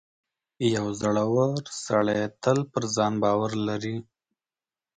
• یو زړور سړی تل پر ځان باور لري.